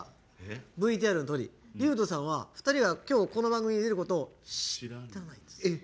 ＶＴＲのとおり、琉斗さんは２人がこの番組に出ることを知らないんです。